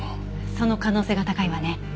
その可能性が高いわね。